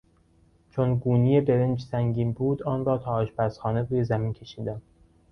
چون گونی برنج سنگین بود آن را تا آشپزخانه روی زمین کشیدم.